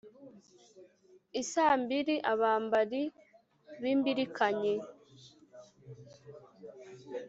Isaa mbiri abambari b'imbirikanyi